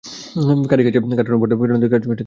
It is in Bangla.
কারির কাছে পাঠানো অর্থ ফেরত নিতে কাজ করছে তারা।